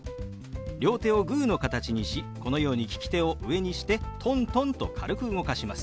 両手をグーの形にしこのように利き手を上にしてトントンと軽く動かします。